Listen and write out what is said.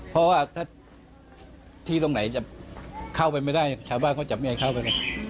เพราะว่าถ้าที่ตรงไหนจะเข้าไปไม่ได้ชาวบ้านเขาจะไม่ให้เข้าไป